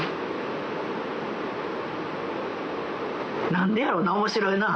何でやろな面白いな。